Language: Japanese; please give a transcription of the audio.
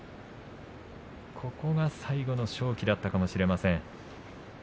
最後の勝機だったかもしれません。